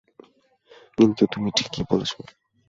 কিন্তু তুমি ঠিকই বলেছ।